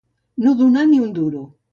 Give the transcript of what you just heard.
No donar ni un duro.